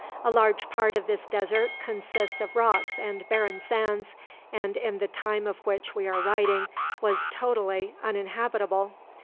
A large part of this desert consists of rocks and barren sands, and, in the time of which we are writing, was totally uninhabitable.